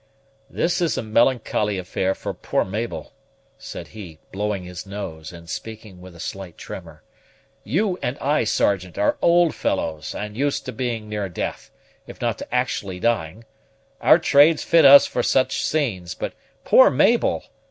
"This is a melancholy affair for poor Mabel," said he, blowing his nose, and speaking with a slight tremor. "You and I, Sergeant, are old fellows, and used to being near death, if not to actually dying; our trades fit us for such scenes; but poor Mabel!